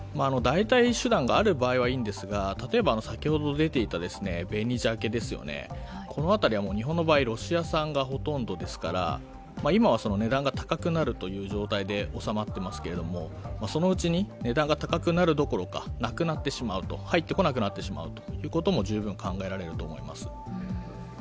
代替手段がある場合はいいんですが例えば先ほど出ていた紅ザケは日本の場合、ロシア産がほとんどですから、今は値段が高くなるという状態でおさまっていますが、そのうちに値段が高くなるどころかなくなってしまう、入ってこなくなってしまうことも十分考えられると思います。